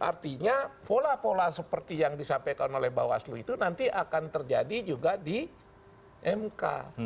artinya pola pola seperti yang disampaikan oleh bawaslu itu nanti akan terjadi juga di mk